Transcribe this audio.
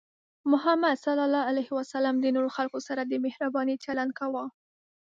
محمد صلى الله عليه وسلم د نورو خلکو سره د مهربانۍ چلند کاوه.